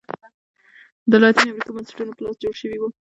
د لاتینې امریکا بنسټونه په لاس جوړ شوي وو.